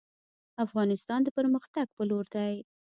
افغانستان د پرمختګ په لور دی